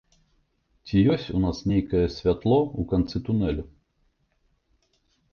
Ці ёсць у нас нейкае святло ў канцы тунелю?